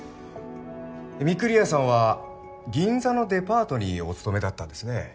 御厨さんは銀座のデパートにお勤めだったんですね。